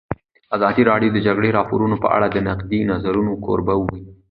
ازادي راډیو د د جګړې راپورونه په اړه د نقدي نظرونو کوربه وه.